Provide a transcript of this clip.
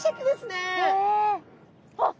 あっ！